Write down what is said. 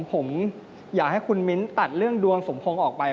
ผมอยากให้คุณมิ้นท์ตัดเรื่องดวงสมพงษ์ออกไป